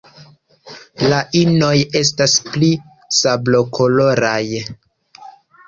La inoj estas pli sablokoloraj.